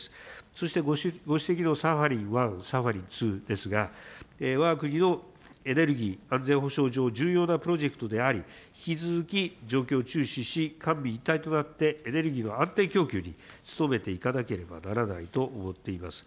そしてご指摘のサハリン１、サハリン２ですが、わが国のエネルギー、安全保障上、重要なプロジェクトであり、引き続き状況を注視し、官民一体となってエネルギーの安定供給に努めていかなければならないと思っています。